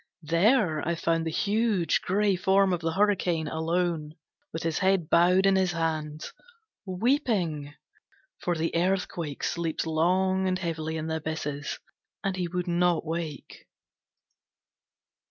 There I found the huge grey form of the Hurricane alone, with his head bowed in his hands, weeping; for the Earthquake sleeps long and heavily in the abysses, and he would not wake.